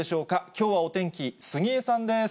きょうはお天気、杉江さんです。